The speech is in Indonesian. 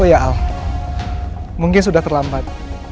oh ya al mungkin sudah terlambat